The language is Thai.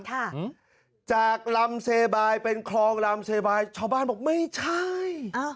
ค่ะจากลำเซบายเป็นคลองลำเซบายชาวบ้านบอกไม่ใช่อ่า